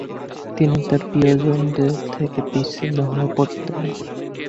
তিনি তার প্রিয়জনদের থেকে বিচ্ছিন্ন হয়ে পড়তেন।